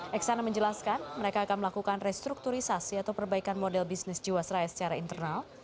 heksana menjelaskan mereka akan melakukan restrukturisasi atau perbaikan model bisnis jiwasraya secara internal